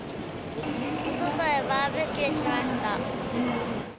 お外でバーベキューしました。